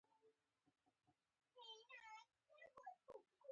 باز یو ښایسته مرغه دی